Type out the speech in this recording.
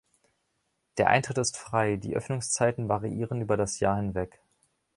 Der Eintritt ist frei, die Öffnungszeiten variieren über das Jahr hinweg.